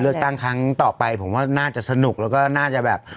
เลือกตั้งครั้งต่อไปผมว่าน่าจะสนุกแล้วก็น่าจะแบบ